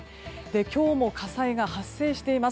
今日も火災が発生しています。